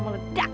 untung ada kamu